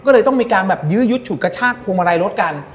ก็เลยต้องมีการแบบยื้อยุดฉุดกระชากพวงมาลัยรถกัน